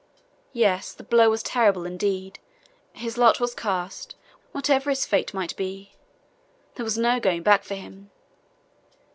Yes, the blow was terrible indeed. His lot was cast, whatever his fate might be; there was no going back for him!